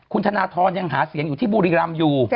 คุณธนทรยังหาเสียงอยู่ที่บุรีรำอยู่